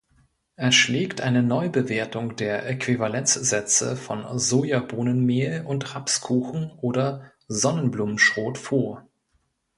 Er schlägt eine Neubewertung der Äquivalenzsätze von Sojabohnenmehl und Rapskuchen oder Sonnenblumenschrot vor.